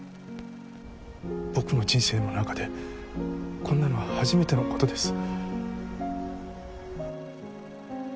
僕の人生の中でこんなのは初めてのことです。